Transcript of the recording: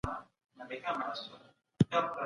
په بازارونو کي باید توازن وي.